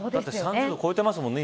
３０度、超えてますもんね。